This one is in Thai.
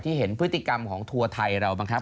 เห็นพฤติกรรมของทัวร์ไทยเราบ้างครับ